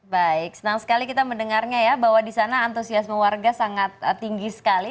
baik senang sekali kita mendengarnya ya bahwa di sana antusiasme warga sangat tinggi sekali